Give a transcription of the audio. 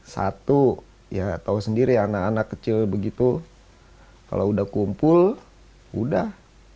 satu ya tahu sendiri anak anak kecil begitu kalau udah kumpul udah